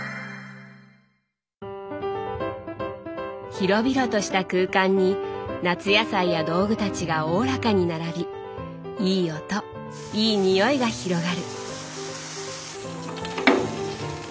広々とした空間に夏野菜や道具たちがおおらかに並びいい音いい匂いが広がる。